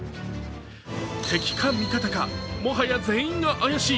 敵か味方か、もはや全員が怪しい。